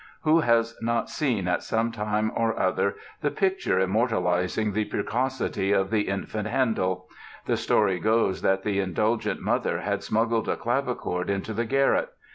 Who has not seen at some time or other the picture immortalizing the precocity of "the Infant Handel?" The story goes that the indulgent mother had smuggled a clavichord into the garret.